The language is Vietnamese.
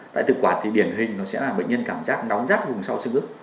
tại thực quản thì điển hình nó sẽ là bệnh nhân cảm giác nóng rát vùng sau siêu ức